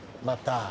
また。